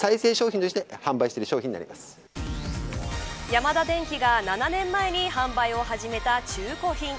ヤマダデンキが７年前に販売を始めた中古品